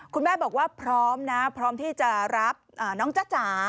คุณแม่บอกว่าพร้อมนะพร้อมที่จะรับน้องจ๊ะจ๋า